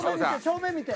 正面見て。